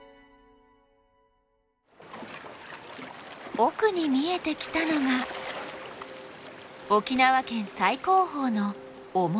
奥に見えてきたのが沖縄県最高峰の於茂登岳。